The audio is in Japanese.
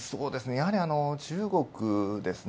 やはり中国ですね。